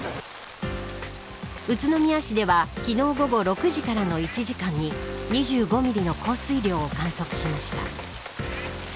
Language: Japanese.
宇都宮市では昨日午後６時からの１時間に２５ミリの降水量を観測しました。